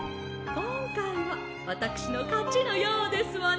こんかいはわたくしのかちのようですわね。